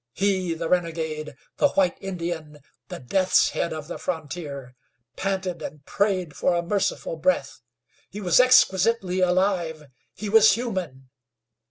He, the renegade, the white Indian, the Deathshead of the frontier, panted and prayed for a merciful breath. He was exquisitely alive. He was human.